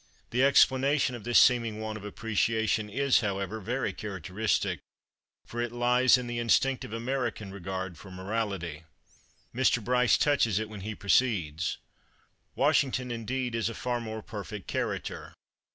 The explanation of this seeming want of appreciation is, however, very characteristic, for it lies in the instinctive American regard for morality. Mr. Bryce touches it when he proceeds: "Washington, indeed, is a far more perfect character.